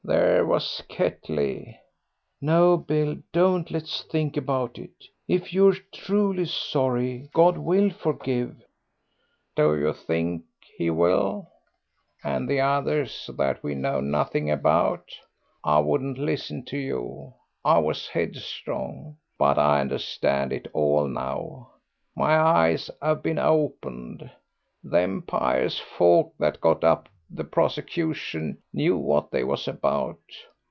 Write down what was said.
"There was Ketley." "No, Bill, don't let's think about it. If you're truly sorry, God will forgive." "Do you think He will and the others that we know nothing about? I wouldn't listen to you; I was headstrong, but I understand it all now. My eyes 'ave been opened. Them pious folk that got up the prosecution knew what they was about.